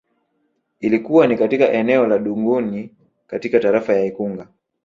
Ilikuwa ni katika eneo la Dungunyi katika tarafa ya Ikungi